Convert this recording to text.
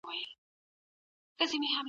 ایا نوي کروندګر وچه الوچه ساتي؟